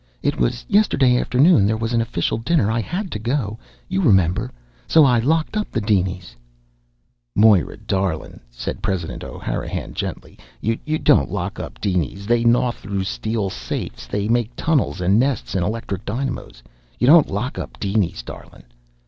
"It was yesterday afternoon. There was an official dinner. I had to go. You remember! So I locked up the dinies " "Moira darlin'," said President O'Hanrahan gently, "you don't lock up dinies. They gnaw through steel safes. They make tunnels and nests in electric dynamos. You don't lock up dinies, darlin'!"